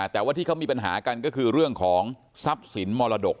แต่ว่าที่เขามีปัญหากันก็คือเรื่องของทรัพย์สินมรดก